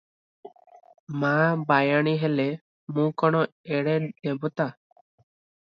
"ମା, ବାୟାଣୀ ହେଲ, ମୁଁ କଣ ଏଡ଼େ ଦେବତା?